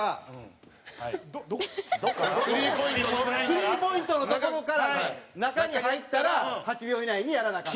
スリーポイントのところから中に入ったら８秒以内にやらなアカン。